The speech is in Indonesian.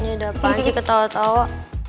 ini udah apaan sih ketawa tawa